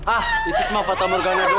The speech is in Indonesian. ah itu cuma patah merganya doang